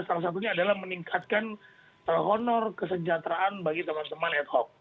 salah satunya adalah meningkatkan honor kesejahteraan bagi teman teman ad hoc